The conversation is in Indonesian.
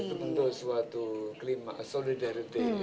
itu bentuk suatu klima solidarity